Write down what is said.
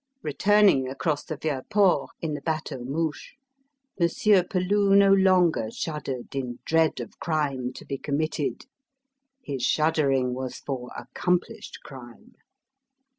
Returning across the Vieux Port in the bateau mouche, Monsieur Peloux no longer shuddered in dread of crime to be committed his shuddering was for accomplished crime.